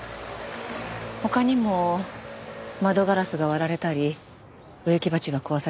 他にも窓ガラスが割られたり植木鉢が壊されたり。